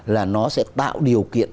là nó sẽ tạo điều kiện